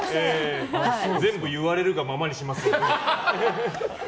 全部言われるがままにしますよ。